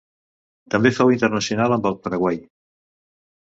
També fou internacional amb el Paraguai.